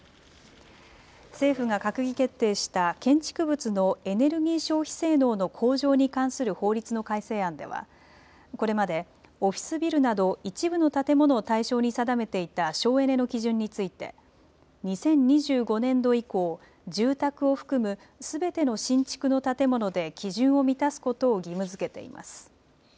政府が閣議決定した建築物のエネルギー消費性能の向上に関する法律の改正案ではこれまでオフィスビルなど一部の建物を対象に定めていた省エネの基準について２０２５年度以降、住宅を含むすべての新築の建物で基準を満たすことを義務づけています。